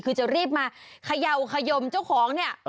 คือจะรีบมาเขย่าขยมเจ้าของเนี่ย